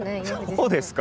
そうですか？